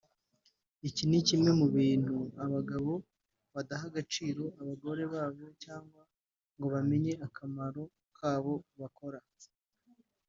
Iki ni kimwe mu bintu abagabo badaha agaciro abagore babo cyangwa ngo bamenye akamaro kabo bakora